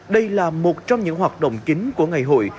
đây là một trong những hoạt động chính của ngày hội